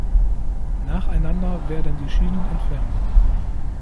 Nacheinander werden die Schienen entfernt.